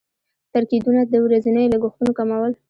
تر کېدونه د ورځنيو لګښتونو کمول.